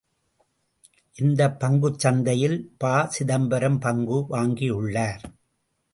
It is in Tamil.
இந்தப் பங்குச் சந்தையில் ப.சிதம்பரம் பங்கு வாங்கியுள்ளார்.